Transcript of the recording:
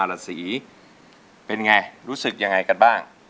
ดีใจครับ